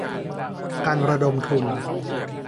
การระดมทุน